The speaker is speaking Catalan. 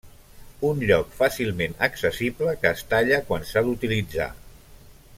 Un lloc fàcilment accessible, que es talla quan s'ha d'utilitzar.